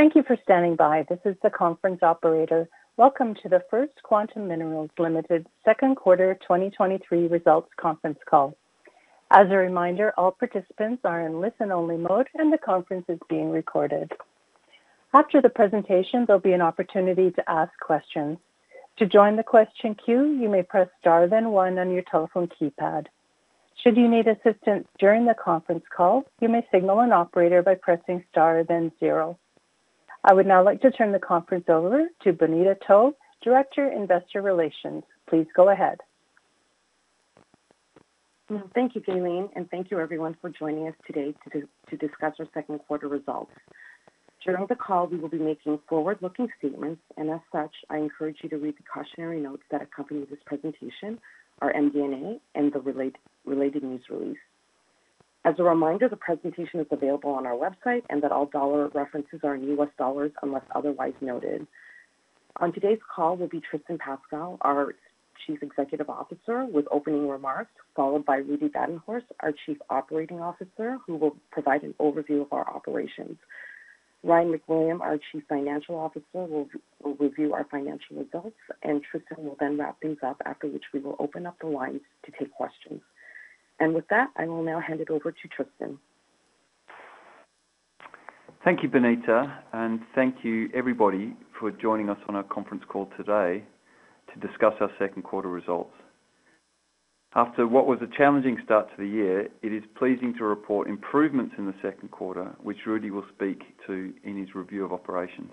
Thank you for standing by. This is the conference operator. Welcome to the First Quantum Minerals Limited second quarter 2023 results conference call. As a reminder, all participants are in listen-only mode, and the conference is being recorded. After the presentation, there will be an opportunity to ask questions. To join the question queue, you may press Star then one on your telephone keypad. Should you need assistance during the conference call, you may signal an operator by pressing Star then zero. I would now like to turn the conference over to Bonita To, Director, Investor Relations. Please go ahead. Thank you, Gaylene, thank you everyone for joining us today to discuss our second quarter results. During the call, we will be making forward-looking statements, as such, I encourage you to read the cautionary notes that accompany this presentation, our MD&A, and the related news release. As a reminder, the presentation is available on our website that all dollar references are in U.S. dollars unless otherwise noted. On today's call will be Tristan Pascall, our Chief Executive Officer, with opening remarks, followed by Rudi Badenhorst, our Chief Operating Officer, who will provide an overview of our operations. Ryan MacWilliam, our Chief Financial Officer, will review our financial results, Tristan will then wrap things up, after which we will open up the lines to take questions. With that, I will now hand it over to Tristan. Thank you, Bonita, and thank you everybody for joining us on our conference call today to discuss our second quarter results. After what was a challenging start to the year, it is pleasing to report improvements in the second quarter, which Rudi will speak to in his review of operations.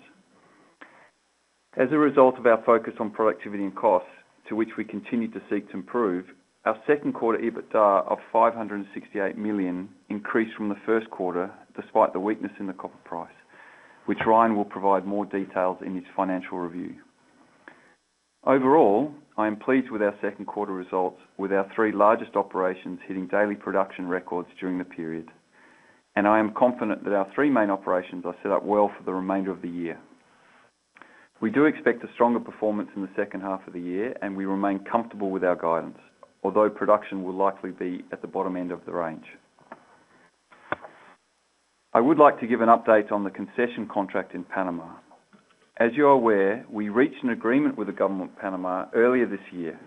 As a result of our focus on productivity and costs, to which we continue to seek to improve, our second quarter EBITDA of $568 million increased from the first quarter despite the weakness in the copper price, which Ryan will provide more details in his financial review. Overall, I am pleased with our second quarter results, with our three largest operations hitting daily production records during the period. I am confident that our three main operations are set up well for the remainder of the year. We do expect a stronger performance in the second half of the year, and we remain comfortable with our guidance, although production will likely be at the bottom end of the range. I would like to give an update on the concession contract in Panama. As you are aware, we reached an agreement with the government of Panama earlier this year.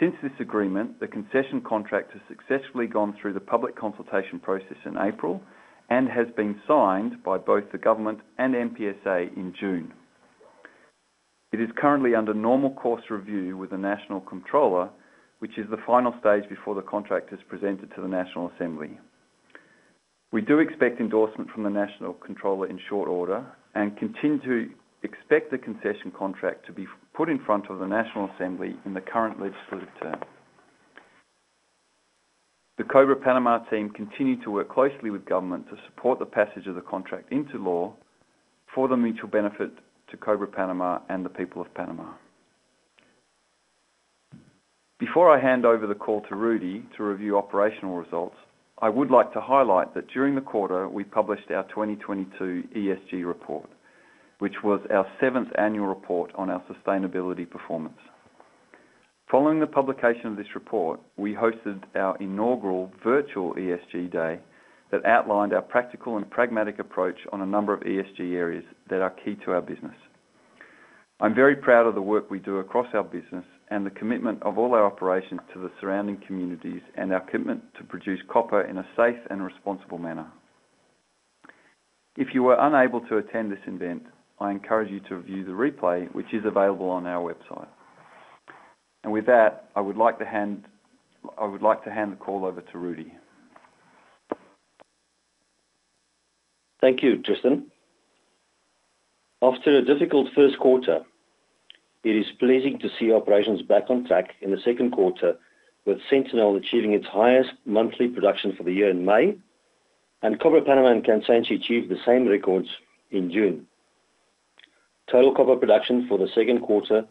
Since this agreement, the concession contract has successfully gone through the public consultation process in April and has been signed by both the government and MPSA in June. It is currently under normal course review with the National Controller, which is the final stage before the contract is presented to the National Assembly. We do expect endorsement from the National Controller in short order and continue to expect the concession contract to be put in front of the National Assembly in the current legislative term. The Cobre Panamá team continued to work closely with government to support the passage of the contract into law for the mutual benefit to Cobre Panamá and the people of Panama. Before I hand over the call to Rudi to review operational results, I would like to highlight that during the quarter, we published our 2022 ESG report, which was our seventh annual report on our sustainability performance. Following the publication of this report, we hosted our inaugural virtual ESG day that outlined our practical and pragmatic approach on a number of ESG areas that are key to our business. I'm very proud of the work we do across our business and the commitment of all our operations to the surrounding communities and our commitment to produce copper in a safe and responsible manner. If you were unable to attend this event, I encourage you to review the replay, which is available on our website. With that, I would like to hand the call over to Rudi. Thank you, Tristan. After a difficult first quarter, it is pleasing to see operations back on track in the second quarter, with Sentinel achieving its highest monthly production for the year in May, and Cobre Panamá and Kansanshi achieved the same records in June. Total copper production for the second quarter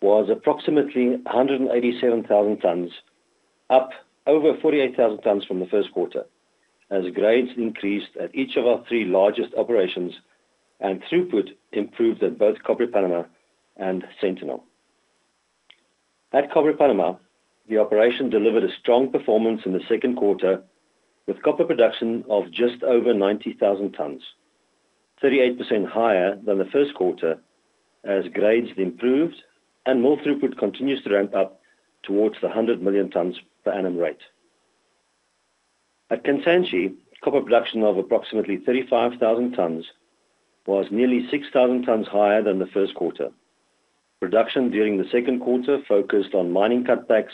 was approximately 187,000 tons, up over 48,000 tons from the first quarter, as grades increased at each of our 3 largest operations and throughput improved at both Cobre Panamá and Sentinel. At Cobre Panamá, the operation delivered a strong performance in the second quarter, with copper production of just over 90,000 tons, 38% higher than the first quarter, as grades improved and mill throughput continues to ramp up towards the 100 million tons per annum rate. At Kansanshi, copper production of approximately 35,000 tons was nearly 6,000 tons higher than the first quarter. Production during the second quarter focused on mining cutbacks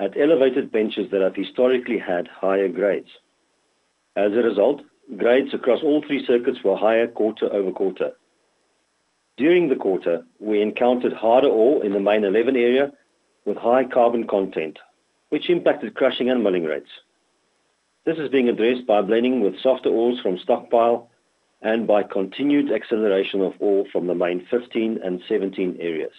at elevated benches that have historically had higher grades. As a result, grades across all three circuits were higher quarter-over-quarter. During the quarter, we encountered harder ore in the mine 11 area with high carbon content, which impacted crushing and milling rates. This is being addressed by blending with softer ores from stockpile and by continued acceleration of ore from the mine 15 and 17 areas.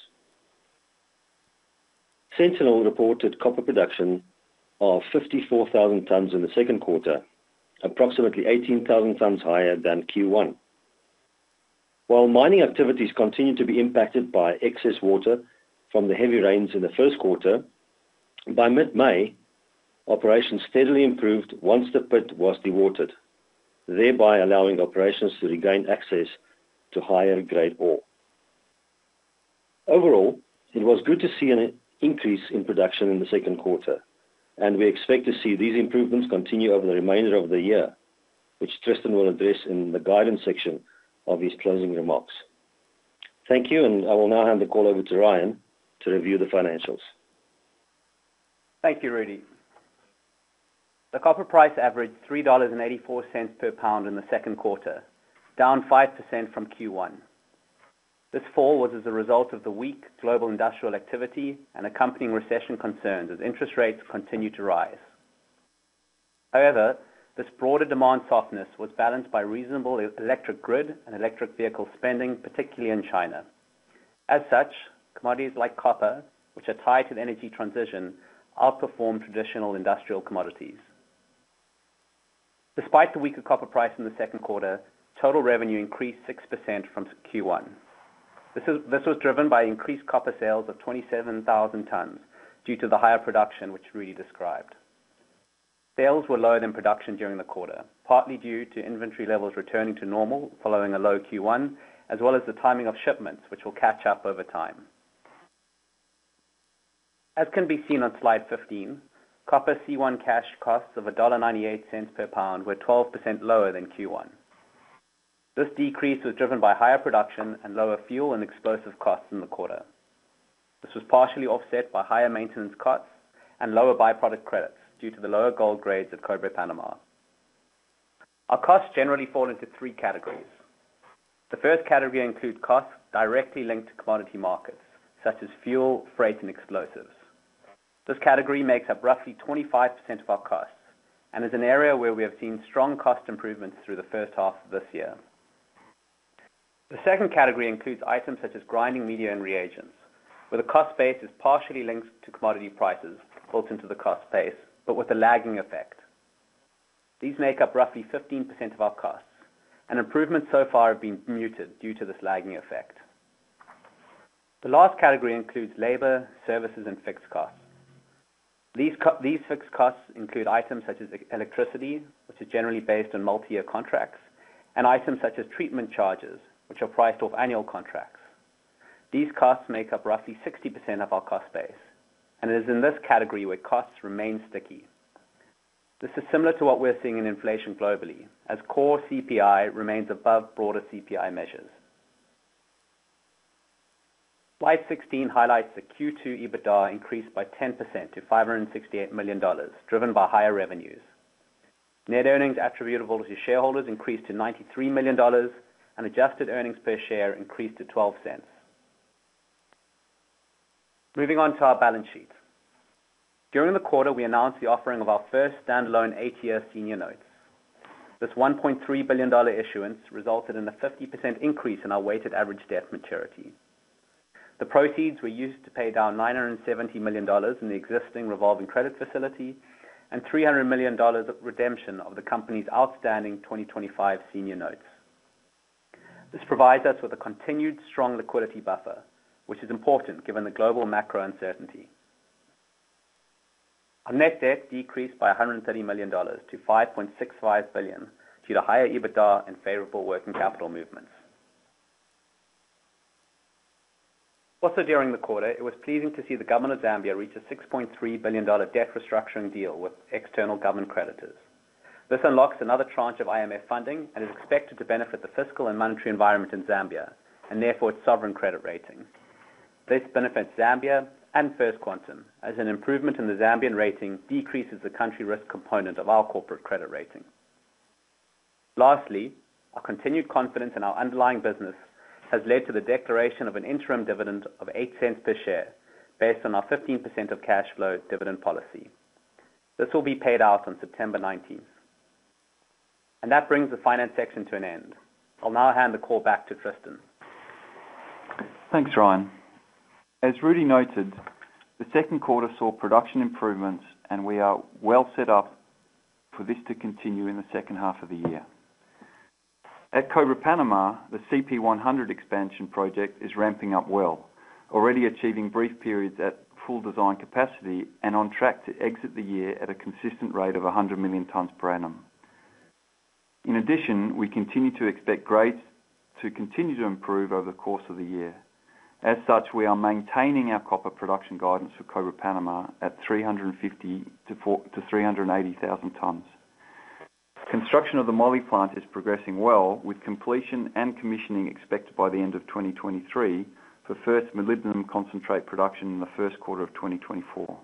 Sentinel reported copper production of 54,000 tons in the second quarter, approximately 18,000 tons higher than Q1. While mining activities continue to be impacted by excess water from the heavy rains in the first quarter, by mid-May, operations steadily improved once the pit was dewatered, thereby allowing operations to regain access to higher grade ore. Overall, it was good to see an increase in production in the second quarter, and we expect to see these improvements continue over the remainder of the year, which Tristan will address in the guidance section of his closing remarks. Thank you, and I will now hand the call over to Ryan to review the financials. Thank you, Rudi. The copper price averaged $3.84 per pound in the second quarter, down 5% from Q1. This fall was as a result of the weak global industrial activity and accompanying recession concerns, as interest rates continue to rise. This broader demand softness was balanced by reasonable electric grid and electric vehicle spending, particularly in China. Commodities like copper, which are tied to the energy transition, outperformed traditional industrial commodities. Despite the weaker copper price in the second quarter, total revenue increased 6% from Q1. This was driven by increased copper sales of 27,000 tons due to the higher production, which Rudi described. Sales were lower than production during the quarter, partly due to inventory levels returning to normal following a low Q1, as well as the timing of shipments, which will catch up over time. As can be seen on Slide 15, copper C1 cash costs of $1.98 per pound were 12% lower than Q1. This decrease was driven by higher production and lower fuel and explosive costs in the quarter. This was partially offset by higher maintenance costs and lower byproduct credits due to the lower gold grades at Cobre Panamá. Our costs generally fall into three categories. The first category include costs directly linked to commodity markets, such as fuel, freight, and explosives. This category makes up roughly 25% of our costs and is an area where we have seen strong cost improvements through the first half of this year. The second category includes items such as grinding media and reagents, where the cost base is partially linked to commodity prices built into the cost base, but with a lagging effect. These make up roughly 15% of our costs, and improvements so far have been muted due to this lagging effect. The last category includes labor, services, and fixed costs. These fixed costs include items such as electricity, which is generally based on multi-year contracts, and items such as treatment charges, which are priced off annual contracts. These costs make up roughly 60% of our cost base, and it is in this category where costs remain sticky. This is similar to what we're seeing in inflation globally, as core CPI remains above broader CPI measures. Slide 16 highlights the Q2 EBITDA increased by 10% to $568 million, driven by higher revenues. Net earnings attributable to shareholders increased to $93 million, and adjusted earnings per share increased to $0.12. Moving on to our balance sheet. During the quarter, we announced the offering of our first standalone eight-year senior notes. This $1.3 billion issuance resulted in a 50% increase in our weighted average debt maturity. The proceeds were used to pay down $970 million in the existing revolving credit facility and $300 million of redemption of the company's outstanding 2025 senior notes. This provides us with a continued strong liquidity buffer, which is important given the global macro uncertainty. Our net debt decreased by $130 million to $5.65 billion, due to higher EBITDA and favorable working capital movements. Also, during the quarter, it was pleasing to see the government of Zambia reach a $6.3 billion debt restructuring deal with external government creditors. This unlocks another tranche of IMF funding and is expected to benefit the fiscal and monetary environment in Zambia, and therefore its sovereign credit rating. This benefits Zambia and First Quantum, as an improvement in the Zambian rating decreases the country risk component of our corporate credit rating. Lastly, our continued confidence in our underlying business has led to the declaration of an interim dividend of $0.08 per share, based on our 15% of cash flow dividend policy. This will be paid out on September 19th. That brings the finance section to an end. I'll now hand the call back to Tristan. Thanks, Ryan. As Rudi noted, the second quarter saw production improvements, and we are well set up for this to continue in the second half of the year. At Cobre Panamá, the CP 100 expansion project is ramping up well, already achieving brief periods at full design capacity and on track to exit the year at a consistent rate of 100 million tons per annum. In addition, we continue to expect grades to continue to improve over the course of the year. As such, we are maintaining our copper production guidance for Cobre Panamá at 350,000-380,000 tons. Construction of the moly plant is progressing well, with completion and commissioning expected by the end of 2023, for first molybdenum concentrate production in the first quarter of 2024.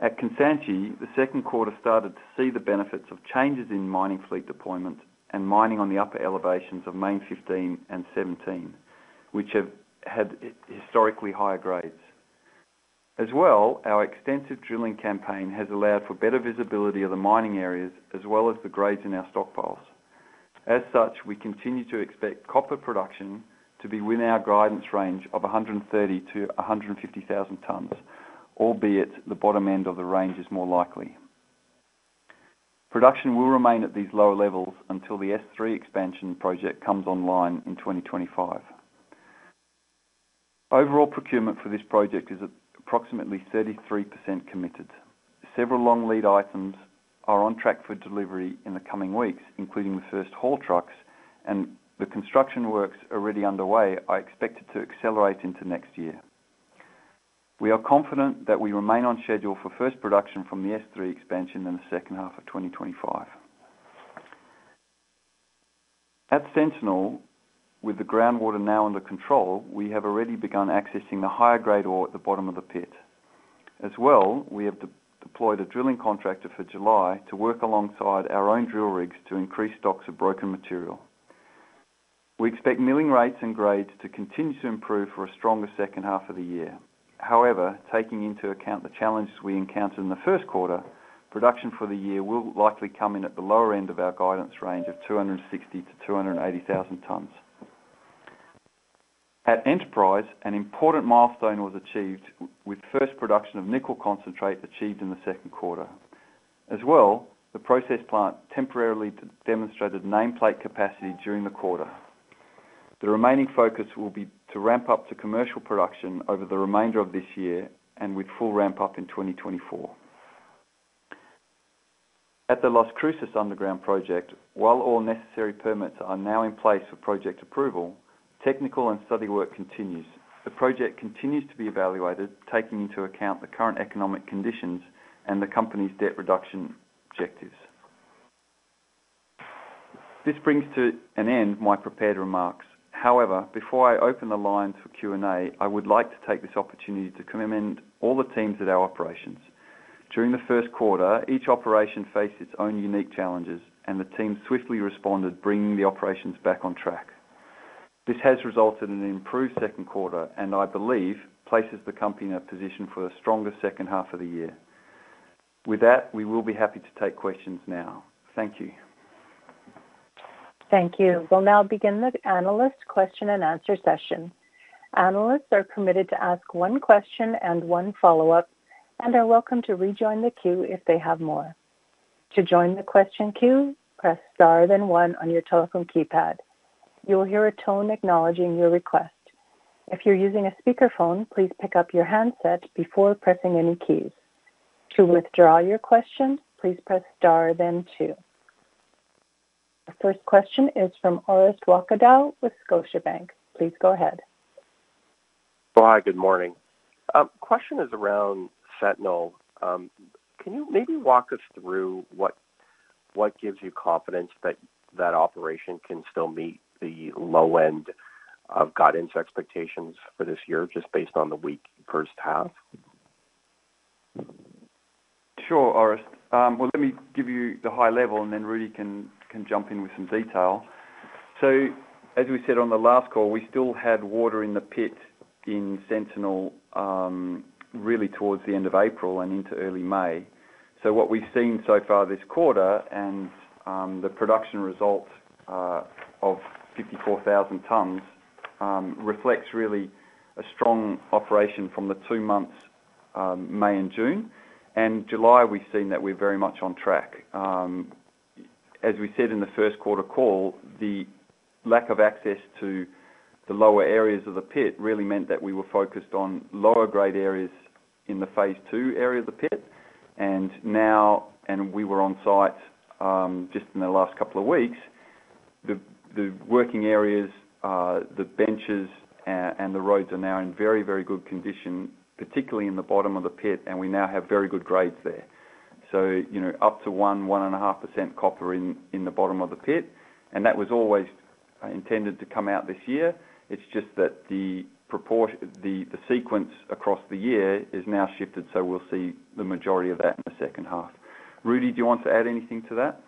At Kansanshi, the second quarter started to see the benefits of changes in mining fleet deployment and mining on the upper elevations of mine 15 and 17, which have had historically higher grades. Our extensive drilling campaign has allowed for better visibility of the mining areas, as well as the grades in our stockpiles. As such, we continue to expect copper production to be within our guidance range of 130,000-150,000 tons, albeit the bottom end of the range is more likely. Production will remain at these lower levels until the S3 Expansion project comes online in 2025. Overall procurement for this project is approximately 33% committed. Several long lead items are on track for delivery in the coming weeks, including the first haul trucks. The construction works already underway are expected to accelerate into next year. We are confident that we remain on schedule for first production from the S3 Expansion in the second half of 2025. At Sentinel, with the groundwater now under control, we have already begun accessing the higher-grade ore at the bottom of the pit. As well, we have de-deployed a drilling contractor for July to work alongside our own drill rigs to increase stocks of broken material. We expect milling rates and grades to continue to improve for a stronger second half of the year. However, taking into account the challenges we encountered in the first quarter, production for the year will likely come in at the lower end of our guidance range of 260,000-280,000 tons. At Enterprise, an important milestone was achieved with first production of nickel concentrate achieved in the second quarter. As well, the process plant temporarily demonstrated nameplate capacity during the quarter. The remaining focus will be to ramp up to commercial production over the remainder of this year and with full ramp up in 2024. At the Las Cruces underground project, while all necessary permits are now in place for project approval, technical and study work continues. The project continues to be evaluated, taking into account the current economic conditions and the company's debt reduction objectives. This brings to an end my prepared remarks. However, before I open the line for Q&A, I would like to take this opportunity to commend all the teams at our operations. During the first quarter, each operation faced its own unique challenges, and the team swiftly responded, bringing the operations back on track. This has resulted in an improved second quarter, and I believe places the company in a position for a stronger second half of the year. With that, we will be happy to take questions now. Thank you. Thank you. We'll now begin the analyst question and answer session. Analysts are permitted to ask one question and one follow-up, and are welcome to rejoin the queue if they have more. To join the question queue, press Star, then 1 on your telephone keypad. You will hear a tone acknowledging your request. If you're using a speakerphone, please pick up your handset before pressing any keys. To withdraw your question, please press Star, then 2. The first question is from Orest Wowkodaw with Scotiabank. Please go ahead. Hi, good morning. question is around Sentinel. can you maybe walk us through what gives you confidence that operation can still meet the low end of guidance expectations for this year, just based on the weak first half? Well, let me give you the high level, and then Rudi can jump in with some detail. As we said on the last call, we still had water in the pit in Sentinel, really towards the end of April and into early May. What we've seen so far this quarter and the production results of 54,000 tons reflects really a strong operation from the two months, May and June. July, we've seen that we're very much on track. As we said in the first quarter call, the lack of access to the lower areas of the pit really meant that we were focused on lower-grade areas in the phase two area of the pit, and we were on site just in the last couple of weeks. The working areas, the benches, and the roads are now in very, very good condition, particularly in the bottom of the pit, and we now have very good grades there. You know, up to 1.5% copper in the bottom of the pit. That was always intended to come out this year. It's just that the sequence across the year is now shifted. We'll see the majority of that in the second half. Rudi, do you want to add anything to that?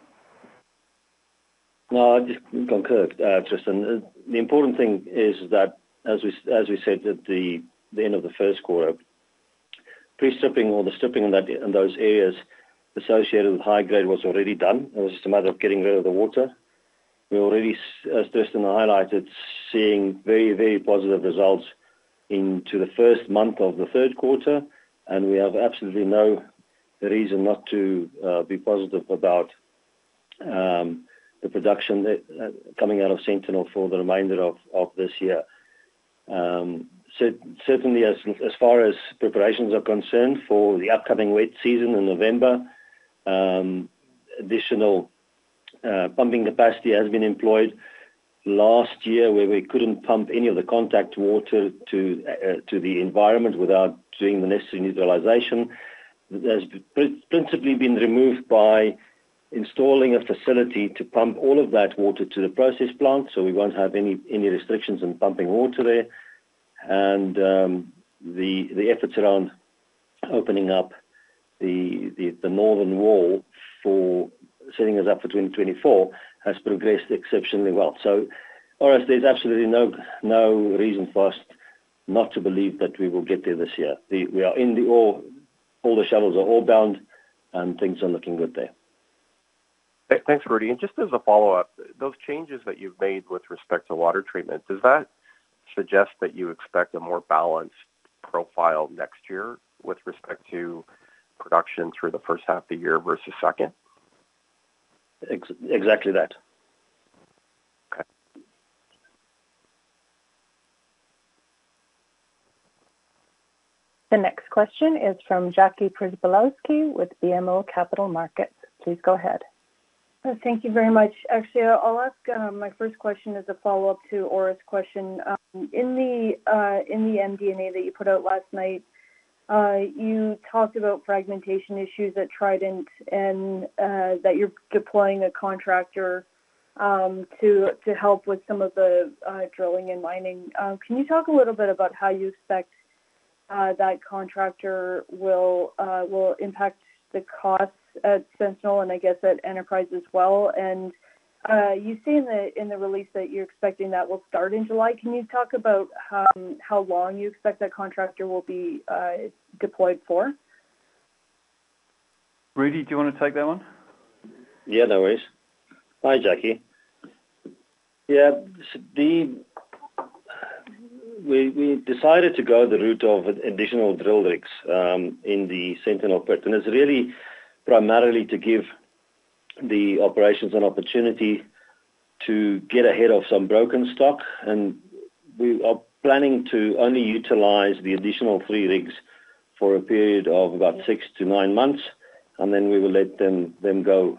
No, I just concur, Tristan. The important thing is that, as we said at the end of the first quarter, pre-stripping or the stripping in those areas associated with high grade was already done. It was just a matter of getting rid of the water. We already, as Tristan highlighted, seeing very, very positive results into the first month of the third quarter, and we have absolutely no reason not to be positive about the production coming out of Sentinel for the remainder of this year. Certainly, as far as preparations are concerned for the upcoming wet season in November, additional pumping capacity has been employed. Last year, where we couldn't pump any of the contact water to the environment without doing the necessary neutralization, that has principally been removed by installing a facility to pump all of that water to the process plant, so we won't have any restrictions on pumping water there. The efforts around opening up the northern wall for setting us up for 2024 has progressed exceptionally well. Orest, there's absolutely no reason for us not to believe that we will get there this year. We are in the ore, all the shuttles are all bound, and things are looking good there. ... thanks, Rudi. Just as a follow-up, those changes that you've made with respect to water treatment, does that suggest that you expect a more balanced profile next year with respect to production through the first half of the year versus second? Exactly that. Okay. The next question is from Jackie Przybylowski with BMO Capital Markets. Please go ahead. Thank you very much. Actually, I'll ask my first question as a follow-up to Orest's question. In the MD&A that you put out last night, you talked about fragmentation issues at Trident and that you're deploying a contractor to help with some of the drilling and mining. Can you talk a little bit about how you expect that contractor will impact the costs at Sentinel, and I guess at Enterprise as well? And, you say in the release that you're expecting that will start in July. Can you talk about how long you expect that contractor will be deployed for? Rudi, do you wanna take that one? No worries. Hi, Jackie. The we decided to go the route of additional drill rigs in the Sentinel pit, It's really primarily to give the operations an opportunity to get ahead of some broken stock. We are planning to only utilize the additional three rigs for a period of about six to nine months, and then we will let them go.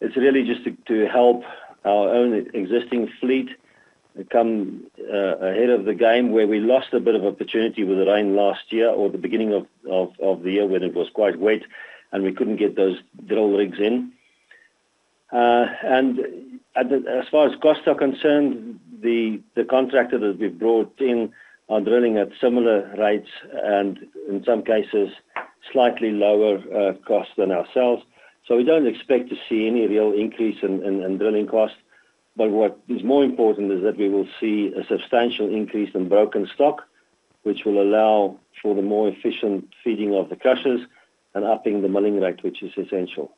It's really just to help our own existing fleet come ahead of the game, where we lost a bit of opportunity with the rain last year or the beginning of the year when it was quite wet, and we couldn't get those drill rigs in. At the... As far as costs are concerned, the contractor that we've brought in are drilling at similar rates and in some cases, slightly lower costs than ourselves. We don't expect to see any real increase in drilling costs. What is more important is that we will see a substantial increase in broken stock, which will allow for the more efficient feeding of the crushers and upping the milling rate, which is essential.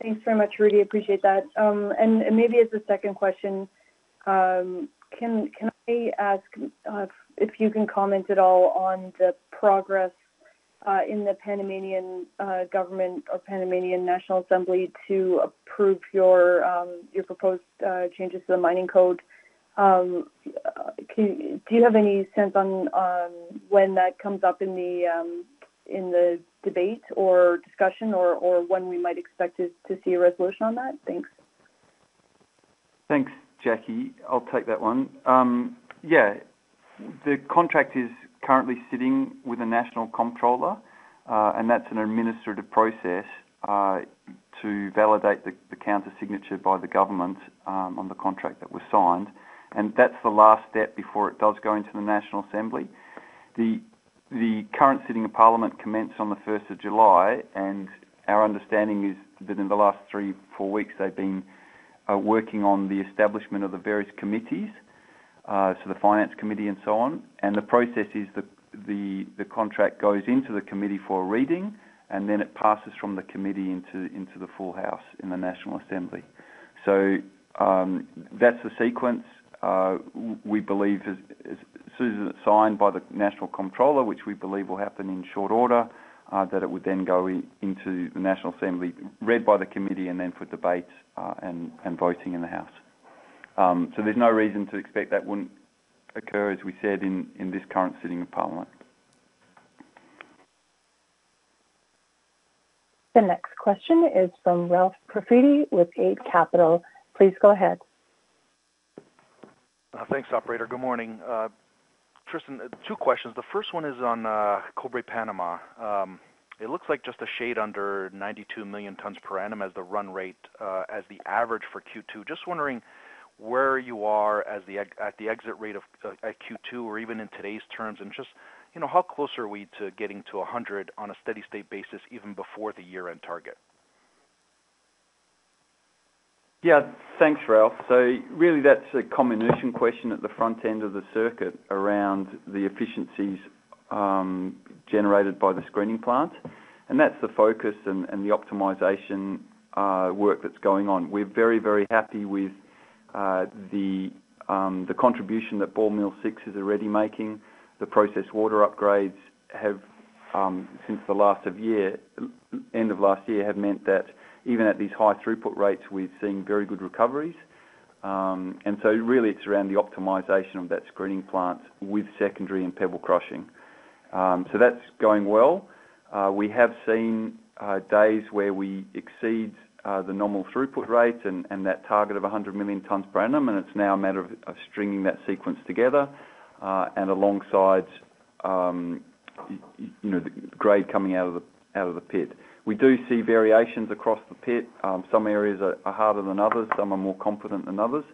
Thanks so much, Rudi. Appreciate that. Maybe as a second question, Can I ask if you can comment at all on the progress in the Panamanian government or Panamanian National Assembly to approve your proposed changes to the mining code? Do you have any sense on when that comes up in the debate or discussion or when we might expect to see a resolution on that? Thanks. Thanks, Jackie. I'll take that one. The contract is currently sitting with a National Controller, and that's an administrative process to validate the counter signature by the government on the contract that was signed, and that's the last step before it does go into the National Assembly. The current sitting of Parliament commenced on the first of July. Our understanding is that in the last 3-4 weeks, they've been working on the establishment of the various committees, so the Finance Committee and so on. The process is that the contract goes into the committee for a reading, and then it passes from the committee into the full house in the National Assembly. That's the sequence. We believe as soon as it's signed by the National Controller, which we believe will happen in short order, that it would then go into the National Assembly, read by the committee and then for debate, and voting in the house. There's no reason to expect that wouldn't occur, as we said, in this current sitting of Parliament. The next question is from Ralph Profiti with Eight Capital. Please go ahead. Thanks, Operator. Good morning. Tristan, two questions. The first one is on Cobre Panamá. It looks like just a shade under 92 million tons per annum as the run rate, as the average for Q2. Just wondering where you are as the exit rate of Q2, or even in today's terms? Just, you know, how close are we to getting to 100 on a steady state basis, even before the year-end target? Thanks, Ralph. Really, that's a combination question at the front end of the circuit around the efficiencies, generated by the screening plant, and that's the focus and the optimization work that's going on. We're very, very happy with the contribution that Ball Mill 6 is already making. The process water upgrades have, since the last of year, end of last year, have meant that even at these high throughput rates, we've seen very good recoveries. Really it's around the optimization of that screening plant with secondary and pebble crushing. That's going well. We have seen days where we exceed the normal throughput rates and that target of 100 million tons per annum. It's now a matter of stringing that sequence together and alongside, you know, the grade coming out of the pit. We do see variations across the pit. Some areas are harder than others, some are more competent than others.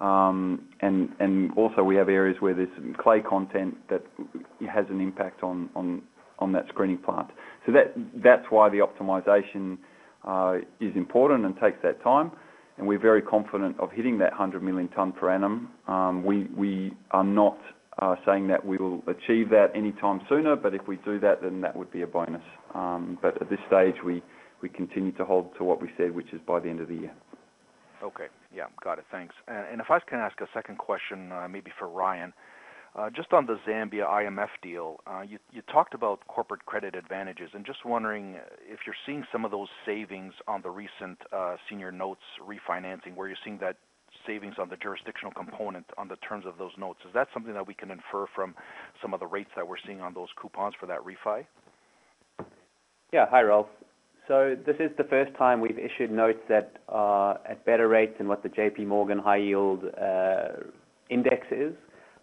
Also, we have areas where there's clay content that has an impact on that screening plant. That's why the optimization is important and takes that time, and we're very confident of hitting that 100 million tons per annum. We are not saying that we will achieve that anytime sooner, if we do that would be a bonus. At this stage, we continue to hold to what we said, which is by the end of the year. Okay. Yeah, got it. Thanks. If I can ask a second question, maybe for Ryan. Just on the Zambia IMF deal, you talked about corporate credit advantages, just wondering if you're seeing some of those savings on the recent senior notes refinancing, where you're seeing that savings on the jurisdictional component on the terms of those notes. Is that something that we can infer from some of the rates that we're seeing on those coupons for that refi? Yeah. Hi, Ralph. This is the first time we've issued notes that are at better rates than what the JP Morgan high yield index is.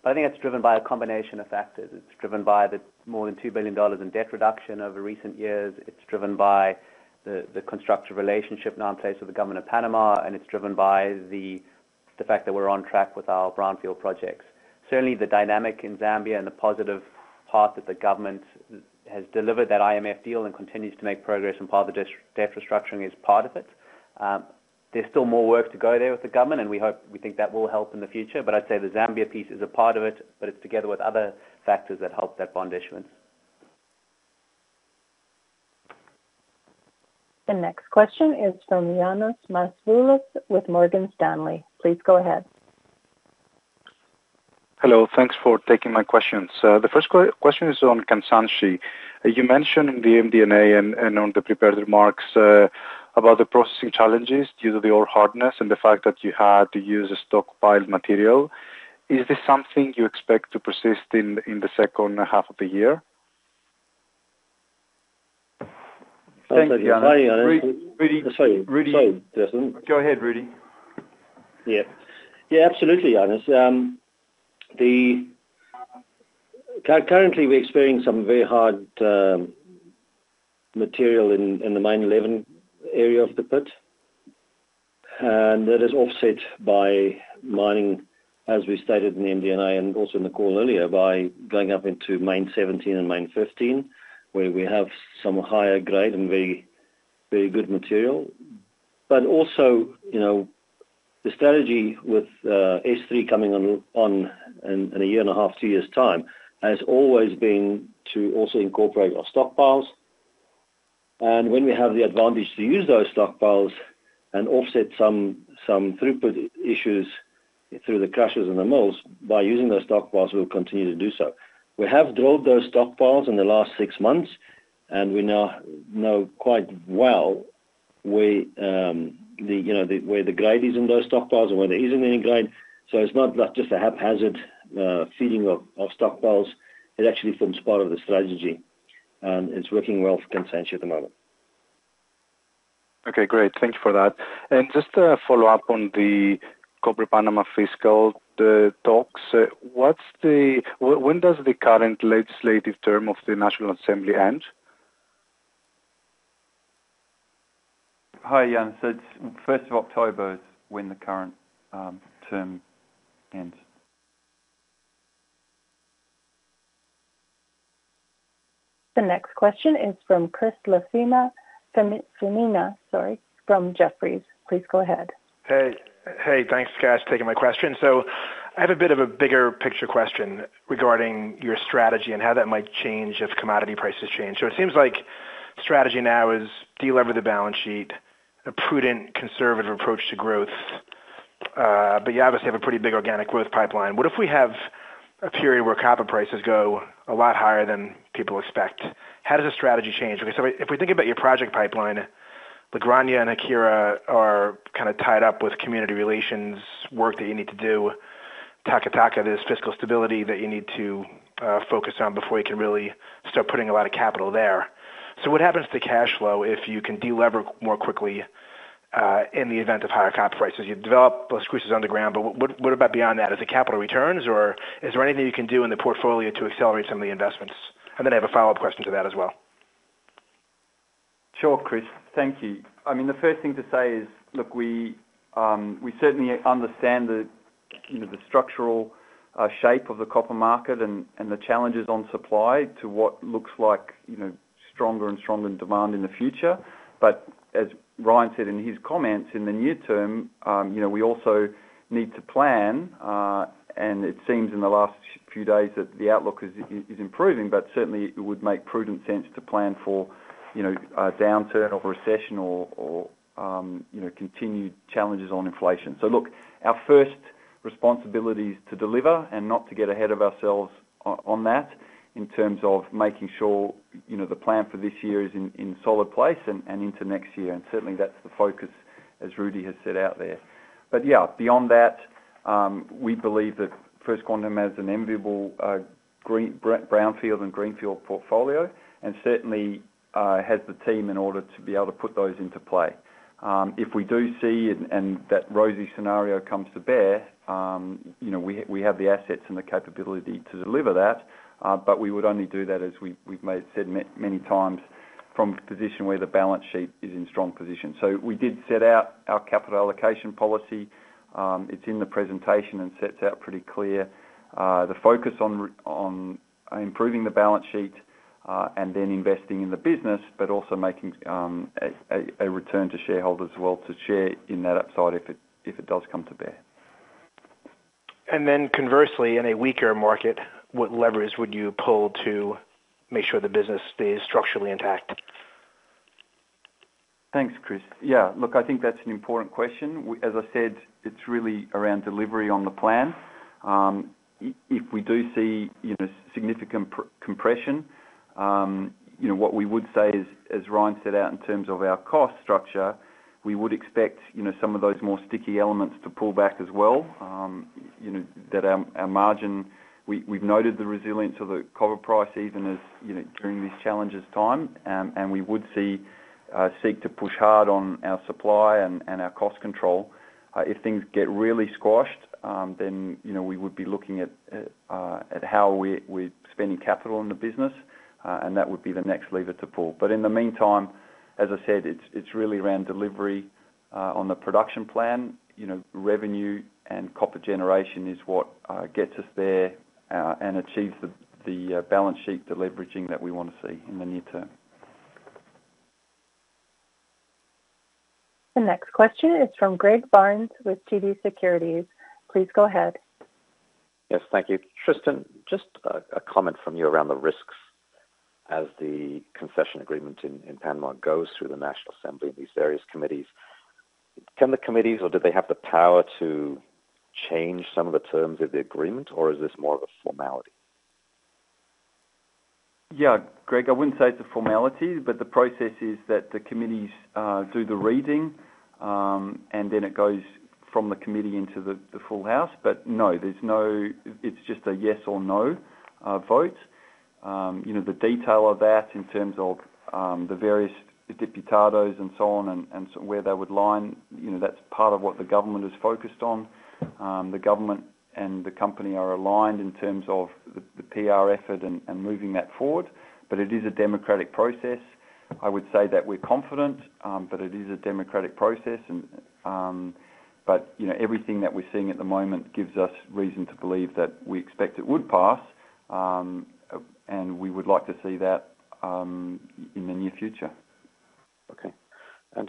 I think that's driven by a combination of factors. It's driven by the more than $2 billion in debt reduction over recent years. It's driven by the constructive relationship now in place with the government of Panama, and it's driven by the fact that we're on track with our brownfield projects. Certainly, the dynamic in Zambia and the positive part that the government has delivered that IMF deal and continues to make progress and part of the debt restructuring is part of it. There's still more work to go there with the government, and we think that will help in the future. I'd say the Zambia piece is a part of it, but it's together with other factors that help that bond issuance. The next question is from Ioannis Masvoulas with Morgan Stanley. Please go ahead. Hello. Thanks for taking my questions. The first question is on Kansanshi. You mentioned in the MD&A and on the prepared remarks about the processing challenges due to the ore hardness and the fact that you had to use a stockpiled material. Is this something you expect to persist in the second half of the year? Thanks, Yannis. Hi, Yannis. Rudi- Sorry. Rudi- Go ahead, Rudi. Yeah. Yeah, absolutely, Yannis. Currently, we're experiencing some very hard, material in the mine 11 area of the pit. That is offset by mining, as we stated in the MD&A and also in the call earlier, by going up into mine 17 and mine 15, where we have some higher grade and very, very good material. Also, you know, the strategy with S3 coming on in a year and a half, 2 years' time, has always been to also incorporate our stockpiles. When we have the advantage to use those stockpiles and offset some throughput issues through the crushers and the mills, by using those stockpiles, we'll continue to do so. We have drilled those stock piles in the last six months. We now know quite well where, you know, where the grade is in those stock piles and where there isn't any grade. It's not like just a haphazard feeding of stock piles. It actually forms part of the strategy, and it's working well for Kansanshi at the moment. Okay, great. Thank you for that. Just a follow-up on the Cobre Panamá fiscal, the talks. When does the current legislative term of the National Assembly end? Hi, Yannis. It's first of October is when the current term ends. The next question is from Chris LaFemina, sorry, from Jefferies. Please go ahead. Hey, hey, thanks, guys, for taking my question. I have a bit of a bigger picture question regarding your strategy and how that might change as commodity prices change. It seems like strategy now is deliver the balance sheet, a prudent conservative approach to growth, but you obviously have a pretty big organic growth pipeline. What if we have a period where copper prices go a lot higher than people expect? How does the strategy change? If we think about your project pipeline, the La Granja and Haquira are kind of tied up with community relations work that you need to do. Taca Taca, there's fiscal stability that you need to focus on before you can really start putting a lot of capital there. What happens to cash flow if you can deliver more quickly in the event of higher copper prices? You drop those pieces on the ground. What about beyond that? Is it capital returns, or is there anything you can do in the portfolio to accelerate some of the investments? Then I have a follow-up question to that as well. Sure, Chris. Thank you. I mean, the first thing to say is, look, we certainly understand the, you know, the structural shape of the copper market and the challenges on supply to what looks like, you know, stronger and stronger demand in the future. As Ryan said in his comments, in the near term, you know, we also need to plan, and it seems in the last few days that the outlook is improving, but certainly it would make prudent sense to plan for, you know, a downturn or recession or, you know, continued challenges on inflation. Look, our first responsibility is to deliver and not to get ahead of ourselves on that in terms of making sure, you know, the plan for this year is in solid place and into next year. Certainly that's the focus, as Rudi has set out there. Yeah, beyond that, we believe that First Quantum has an enviable, brownfield and greenfield portfolio, and certainly, has the team in order to be able to put those into play. If we do see and that rosy scenario comes to bear, you know, we have the assets and the capability to deliver that, but we would only do that as we've said many times from position where the balance sheet is in strong position. We did set out our capital allocation policy. It's in the presentation and sets out pretty clear, the focus on improving the balance sheet, and then investing in the business, but also making a return to shareholders as well to share in that upside if it does come to bear. Conversely, in a weaker market, what levers would you pull to make sure the business stays structurally intact? Thanks, Chris. Yeah, look, I think that's an important question. As I said, it's really around delivery on the plan. If we do see, you know, significant compression, you know, what we would say is, as Ryan set out in terms of our cost structure, we would expect, you know, some of those more sticky elements to pull back as well. You know, that our margin, we've noted the resilience of the copper price, even as, you know, during these challenges time. We would see, seek to push hard on our supply and our cost control. If things get really squashed, you know, we would be looking at how we're spending capital in the business, that would be the next lever to pull. In the meantime, as I said, it's really around delivery on the production plan. You know, revenue and copper generation is what gets us there and achieves the balance sheet, the leveraging that we want to see in the near term. The next question is from Greg Barnes with TD Securities. Please go ahead. Yes, thank you. Tristan, just a comment from you around the risks as the concession agreement in Panama goes through the National Assembly and these various committees. Can the committees, or do they have the power to change some of the terms of the agreement, or is this more of a formality? Yeah, Greg, I wouldn't say it's a formality, but the process is that the committees do the reading, and then it goes from the committee into the full house. No, there's no it's just a yes or no vote. You know, the detail of that in terms of, the various diputados and so on, and so where they would line, you know, that's part of what the government is focused on. The government and the company are aligned in terms of the PR effort and moving that forward, but it is a democratic process. I would say that we're confident, but it is a democratic process. You know, everything that we're seeing at the moment gives us reason to believe that we expect it would pass. We would like to see that in the near future. Okay.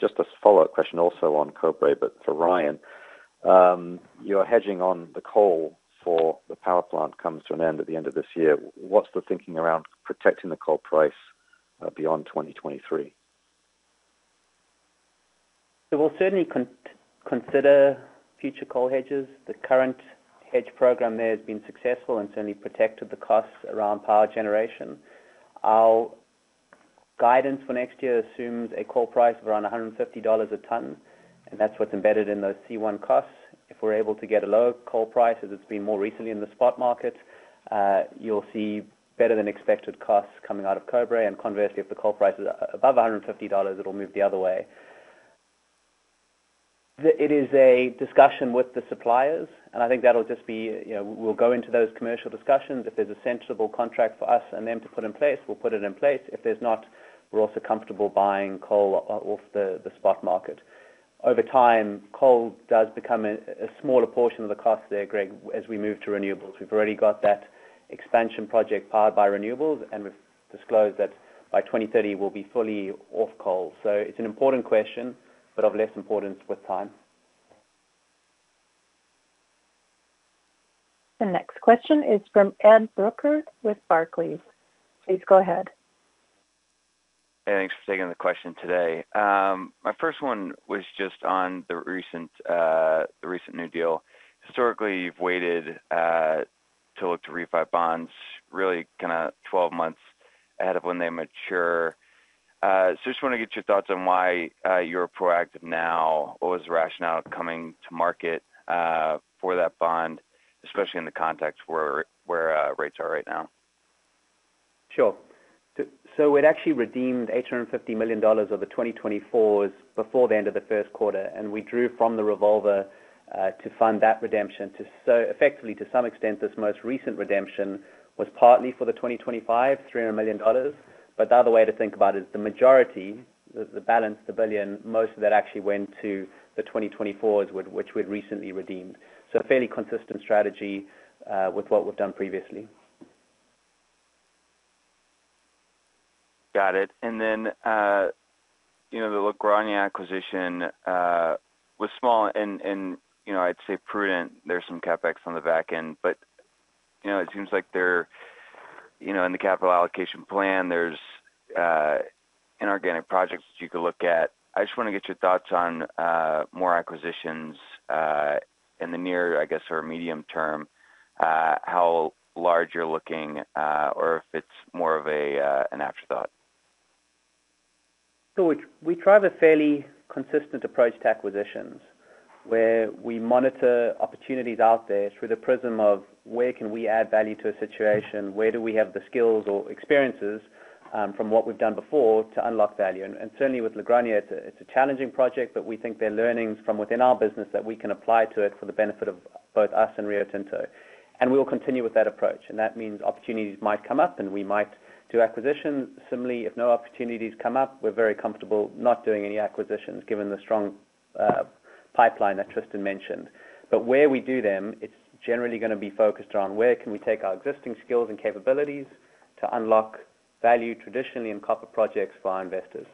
Just a follow-up question also on Cobre, but for Ryan. Your hedging on the coal for the power plant comes to an end at the end of this year. What's the thinking around protecting the coal price, beyond 2023? We'll certainly consider future coal hedges. The current hedge program there has been successful and certainly protected the costs around power generation. Our guidance for next year assumes a coal price of around $150 a ton, and that's what's embedded in those C1 costs. If we're able to get a lower coal price, as it's been more recently in the spot market, you'll see better-than-expected costs coming out of Cobre. Conversely, if the coal price is above $150, it'll move the other way. It is a discussion with the suppliers, I think that'll just be, you know, we'll go into those commercial discussions. If there's a sensible contract for us and them to put in place, we'll put it in place. If there's not, we're also comfortable buying coal off the spot market. Over time, coal does become a smaller portion of the cost there, Greg, as we move to renewables. We've already got that expansion project powered by renewables, and we've disclosed that by 2030, we'll be fully off coal. It's an important question, but of less importance with time. The next question is from Ed Brooker with Barclays. Please go ahead. Hey, thanks for taking the question today. My first one was just on the recent, the recent new deal. Historically, you've waited to look to refi bonds, really kind of 12 months ahead of when they mature. Just wanna get your thoughts on why you're proactive now. What was the rationale coming to market for that bond, especially in the context where rates are right now? Sure. We'd actually redeemed $850 million of the 2024s before the end of the first quarter, and we drew from the revolver to fund that redemption. Effectively, to some extent, this most recent redemption was partly for the 2025, $300 million. The other way to think about it is the majority, the balance, the $1 billion, most of that actually went to the 2024s, which we'd recently redeemed. A fairly consistent strategy with what we've done previously. Got it. Then, you know, the La Granja Acquisition was small and, you know, I'd say prudent. There's some CapEx on the back end, but, you know, it seems like there, you know, in the capital allocation plan, there's inorganic projects that you could look at. I just want to get your thoughts on more acquisitions in the near, I guess, or medium term, how large you're looking, or if it's more of an afterthought. We drive a fairly consistent approach to acquisitions, where we monitor opportunities out there through the prism of where can we add value to a situation? Where do we have the skills or experiences from what we've done before to unlock value? And certainly with La Granja, it's a challenging project, but we think there are learnings from within our business that we can apply to it for the benefit of both us and Rio Tinto. We will continue with that approach, and that means opportunities might come up, and we might do acquisitions. Similarly, if no opportunities come up, we're very comfortable not doing any acquisitions, given the strong pipeline that Tristan mentioned. Where we do them, it's generally gonna be focused on where can we take our existing skills and capabilities to unlock value traditionally in copper projects for our investors?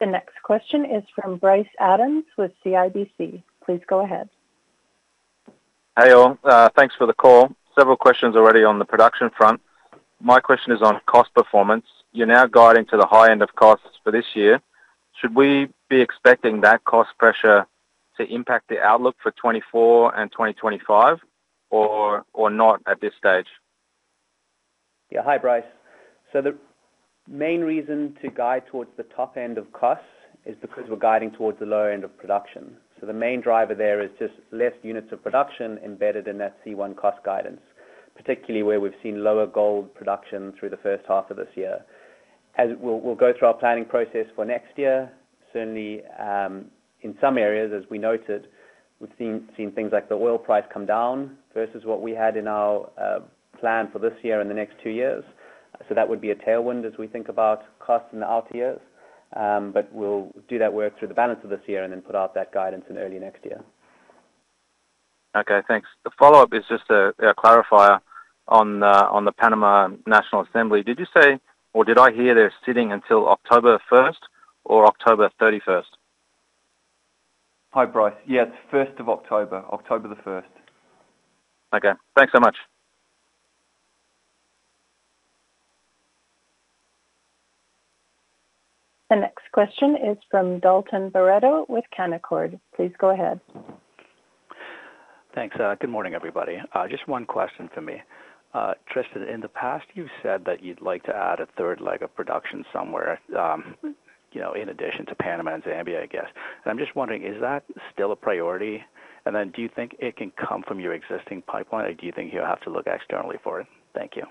The next question is from Bryce Adams with CIBC. Please go ahead. Hey, all. thanks for the call. Several questions already on the production front. My question is on cost performance. You're now guiding to the high end of costs for this year. Should we be expecting that cost pressure to impact the outlook for 2024 and 2025, or not at this stage? Yeah. Hi, Bryce. The main reason to guide towards the top end of costs is because we're guiding towards the lower end of production. The main driver there is just less units of production embedded in that C1 cost guidance, particularly where we've seen lower gold production through the first half of this year. As we'll go through our planning process for next year, certainly, in some areas, as we noted, we've seen things like the oil price come down versus what we had in our plan for this year and the next two years. That would be a tailwind as we think about costs in the out years. But we'll do that work through the balance of this year and then put out that guidance in early next year. Okay, thanks. The follow-up is just a clarifier on the Panama National Assembly. Did you say, or did I hear they're sitting until October 1 or October 31? Hi, Bryce. Yeah, it's first of October, October the first. Okay. Thanks so much. The next question is from Dalton Baretto with Canaccord. Please go ahead. Thanks. Good morning, everybody. Just one question for me. Tristan, in the past, you've said that you'd like to add a third leg of production somewhere, you know, in addition to Panama and Zambia, I guess. I'm just wondering, is that still a priority? Then do you think it can come from your existing pipeline, or do you think you'll have to look externally for it? Thank you.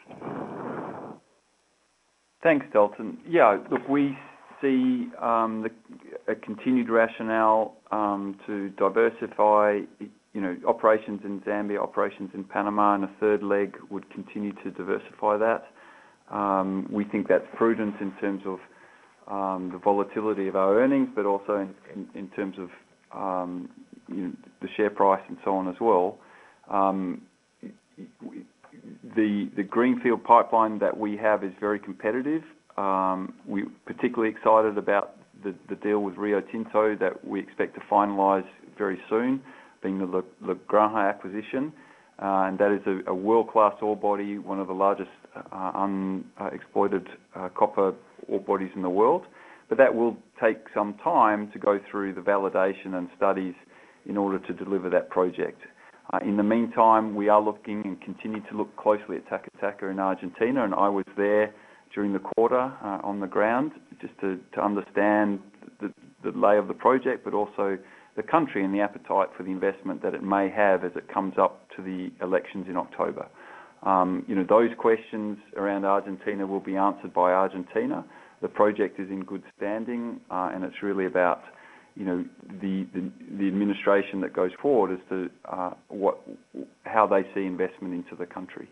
Thanks, Dalton. Look, we see a continued rationale to diversify, you know, operations in Zambia, operations in Panama, and a third leg would continue to diversify that. We think that's prudent in terms of the volatility of our earnings, but also in terms of, you know, the share price and so on as well. The greenfield pipeline that we have is very competitive. We're particularly excited about the deal with Rio Tinto that we expect to finalize very soon, being the La Granja acquisition. That is a world-class ore body, one of the largest unexploited copper ore bodies in the world. That will take some time to go through the validation and studies in order to deliver that project. In the meantime, we are looking and continue to look closely at Taca Taca in Argentina, and I was there during the quarter on the ground, just to understand the lay of the project, but also the country and the appetite for the investment that it may have as it comes up to the elections in October. You know, those questions around Argentina will be answered by Argentina. The project is in good standing, and it's really about, you know, the administration that goes forward as to how they see investment into the country.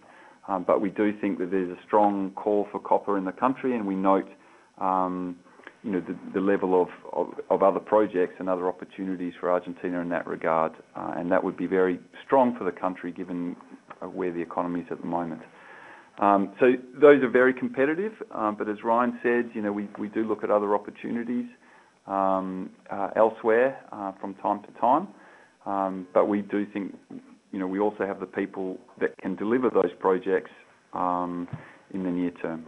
We do think that there's a strong call for copper in the country. We note, you know, the level of, of other projects and other opportunities for Argentina in that regard. That would be very strong for the country, given where the economy is at the moment. Those are very competitive. As Ryan said, you know, we do look at other opportunities elsewhere from time to time. We do think, you know, we also have the people that can deliver those projects in the near term.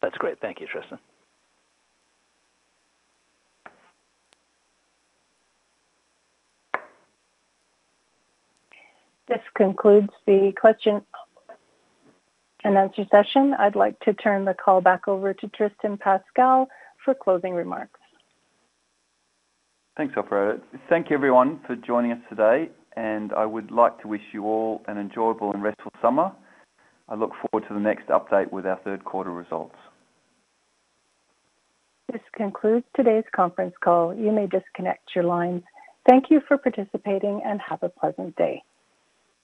That's great. Thank you, Tristan. This concludes the question and answer session. I'd like to turn the call back over to Tristan Pascall for closing remarks. Thanks, Operator. Thank you everyone for joining us today, and I would like to wish you all an enjoyable and restful summer. I look forward to the next update with our third quarter results. This concludes today's conference call. You may disconnect your lines. Thank you for participating, and have a pleasant day.